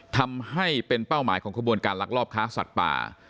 ทำให้เป็นเป้าหมายของขบวนการลักลอบค้าสัตว์ป่า